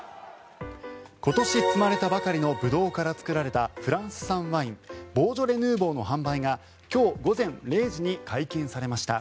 今年摘まれたばかりのブドウから作られたフランス産ワインボージョレ・ヌーボーの販売が今日午前０時に解禁されました。